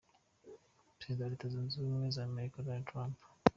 Perezida wa Leta Zunze Ubumwe za Amerika, Donald Trup.